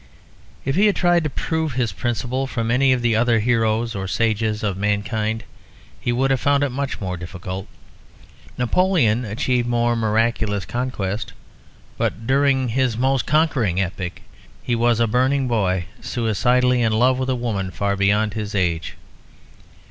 If he had tried to prove his principle from any of the other heroes or sages of mankind he would have found it much more difficult. Napoleon achieved more miraculous conquest; but during his most conquering epoch he was a burning boy suicidally in love with a woman far beyond his age.